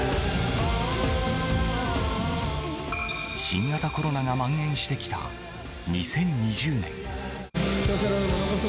新型コロナがまん延してきた２０２０年。